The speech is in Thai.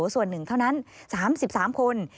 ส่วนหนึ่งเท่านั้น๓๓คน